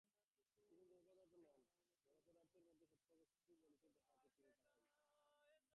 তিনি জড়পদার্থ নন, জড়পদার্থের মধ্যে সত্যবস্তু বলিতে যাহা আছে, তিনি তাহাই।